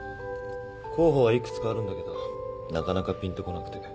候補はいくつかあるんだけどなかなかピンと来なくて。